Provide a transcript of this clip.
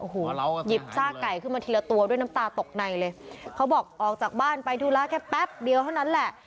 โอ้โหหยิบซากไก่ขึ้นมาทีละตัวด้วยน้ำตาตกในเลยเขาบอกออกจากบ้านไปธุระแค่แป๊บเดียวเท่านั้นแหละ